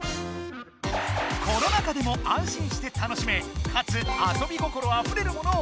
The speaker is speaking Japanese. コロナ禍でも安心して楽しめかつ遊び心あふれるものを考えた人が